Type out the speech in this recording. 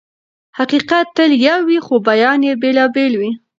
حقيقت تل يو وي خو بيان يې بېلابېل وي.